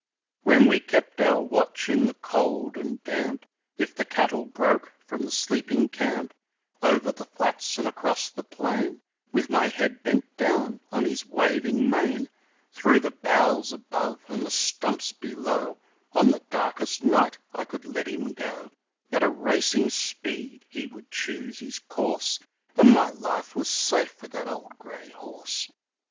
When we kept our watch in the cold and damp, If the cattle broke from the sleeping camp, Over the flats and across the plain, With my head bent down on his waving mane, Through the boughs above and the stumps below On the darkest night I could let him go At a racing speed; he would choose his course, And my life was safe with the old grey horse.